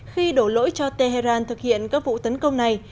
khi đổ lỗi cho tehran thực hiện các vụ tấn công này